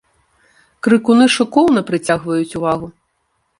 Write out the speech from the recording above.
Крыкуны шыкоўна прыцягваюць увагу.